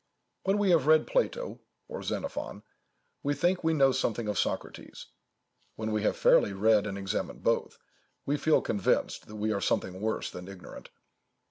When we have read Plato or Xenophon, we think we know something of Socrates; when we have fairly read and examined both, we feel convinced that we are something worse than ignorant.